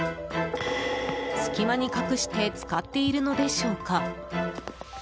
隙間に隠して使っているのでしょうか。